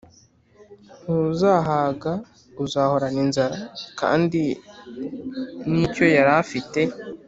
ntuzahaga uzahorana inzara kandi nicyo yarafite